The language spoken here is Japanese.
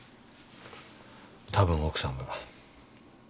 多分奥さんが。